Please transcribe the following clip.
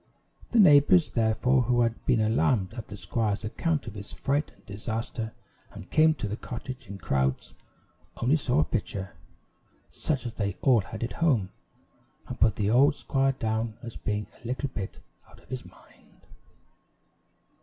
The neighbors, therefore, who had been alarmed at the squire's account of his fright and disaster, and came to the cottage in crowds, only saw a pitcher, such as they all had at home, and put the old squire down as being a little bit out of his mind.